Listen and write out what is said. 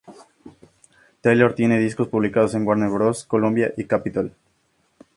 Taylor tiene discos publicados en Warner Bros, Columbia, y Capitol.